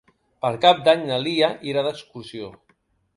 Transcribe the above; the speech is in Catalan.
Per Cap d'Any na Lia irà d'excursió.